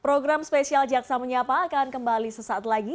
program spesial jaksa menyapa akan kembali sesaat lagi